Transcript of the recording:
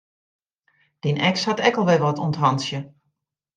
Dyn eks hat ek al wer wat oan 't hantsje.